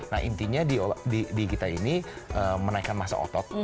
nah intinya di kita ini menaikkan masa otot